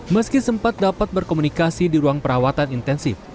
meski sempat dapat berkomunikasi di ruang perawatan intensif